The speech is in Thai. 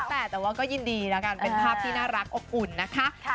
แต่ว่าก็ยินดีแล้วกันเป็นภาพที่น่ารักอบอุ่นนะคะ